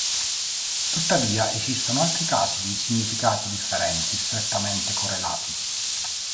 Tuttavia, esistono altri casi di significati differenti strettamente correlati.